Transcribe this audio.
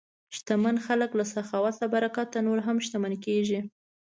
شتمن خلک د سخاوت له برکته نور شتمن کېږي.